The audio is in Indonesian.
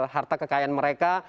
harta kekayaan mereka